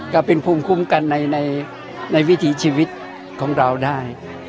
ก็เป็นภูมิคุ้มกันในวิถีชีวิตของเราได้